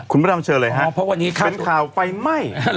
คุณพระธรรมเชิญเลยฮะเป็นข่าวไฟไหม้